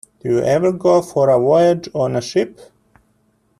Did you ever go for a voyage on a ship?